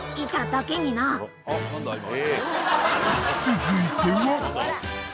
［続いては］